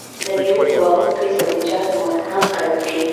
د میوو په باغونو کې سبزیجات هم کرل کیږي.